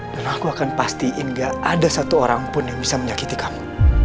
dan aku akan pastiin gak ada satu orang pun yang bisa menyakiti kamu